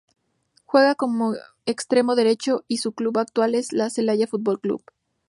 Juega como extremo derecho y su club actual es el Celaya Fútbol Club.